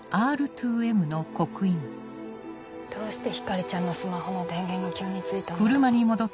どうして光莉ちゃんのスマホの電源が急についたんだろう？